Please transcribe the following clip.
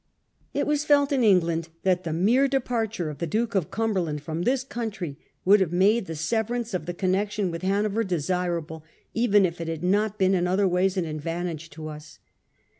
It was felt in England that the mere departure of the Duke of Cumberland from this country would have made the severance of the connection with Hanover desirable, even if it had not been in other ways an advantage to us.